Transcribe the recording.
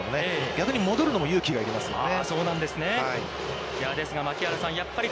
逆に戻るのも勇気がいりますよね。